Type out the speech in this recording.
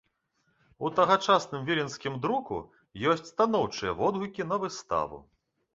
У тагачасным віленскім друку ёсць станоўчыя водгукі на выставу.